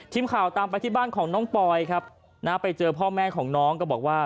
ทีมข่าวตามไปที่บ้านของน้องปอยครับนะไปเจอพ่อแม่ของน้องก็บอกว่า